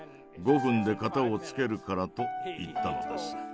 ５分で片をつけるから」と言ったのです。